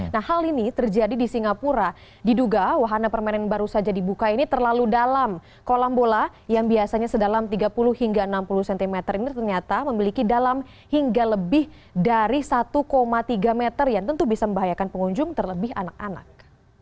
nah hal ini terjadi di singapura diduga wahana permainan baru saja dibuka ini terlalu dalam kolam bola yang biasanya sedalam tiga puluh hingga enam puluh cm ini ternyata memiliki dalam hingga lebih dari satu tiga meter yang tentu bisa membahayakan pengunjung terlebih anak anak